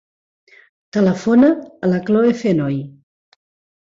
Telefona a la Chloe Fenoy.